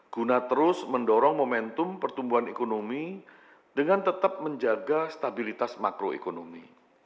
guna terus mendorong momentum pertumbuhan ekonomi dengan tetap menjaga stabilitas makroekonomi